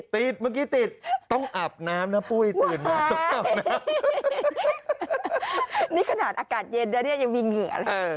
ติดเมื่อกี้ติดต้องอาบน้ำนะปุ้ยตื่นอาบน้ำ